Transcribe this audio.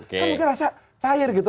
kan mungkin rasa cair gitu